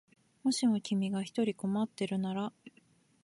もしも君が一人困ってるなら